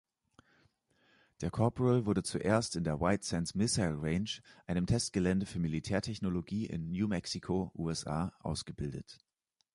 Der Corporal wurde zuerst in der White Sands Missile Range, einem Testgelände für Militärtechnologie in New Mexico, USA, ausgebildet.